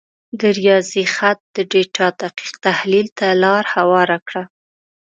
د ریاضي خط د ډیټا دقیق تحلیل ته لار هواره کړه.